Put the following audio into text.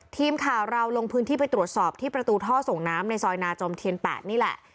ทีมข่าวเราลงพื้นที่ไปตรวจสอบที่ประตูท่อส่งน้ำในซอยนาจอมเทียน๘นี่แหละ